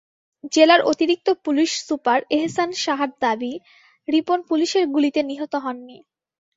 জেলার অতিরিক্ত police super Ehsan সাহার দাবি, রিপন পুলিশের গুলিতে নিহত হননি।